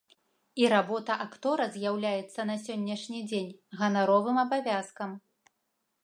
І работа актора з'яўляецца на сённяшні дзень ганаровым абавязкам.